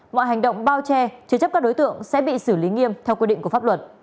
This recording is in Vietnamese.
mọi hành động bao che chứa chấp các đối tượng sẽ bị xử lý nghiêm theo quy định của pháp luật